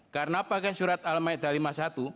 karena pakai surat al ma'idah lima puluh satu